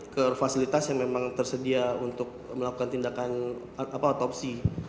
ke fasilitas yang memang tersedia untuk melakukan tindakan otopsi